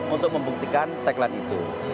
untuk membuktikan tagline itu